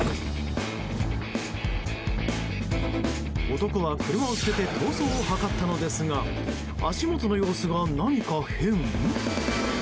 男は、車を捨てて逃走を図ったのですが足元の様子が何か変？